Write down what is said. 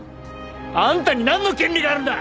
あんたになんの権利があるんだ！